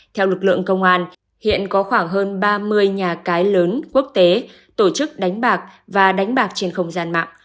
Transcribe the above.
theo lực lượng công an hiện có khoảng hơn ba mươi nhà cái lớn quốc tế tổ chức đánh bạc và đánh bạc trên không gian mạng